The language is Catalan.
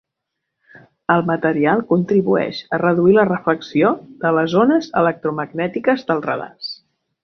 El material contribueix a reduir la reflexió de les ones electromagnètiques dels radars.